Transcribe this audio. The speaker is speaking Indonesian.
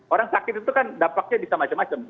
orang sakit itu kan dampaknya bisa macam macam